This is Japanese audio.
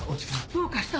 どうかしたの？